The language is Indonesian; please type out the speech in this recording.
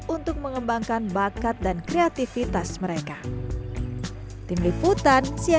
untuk mengembangkan bakat dan kreativitas mereka tim liputan cnn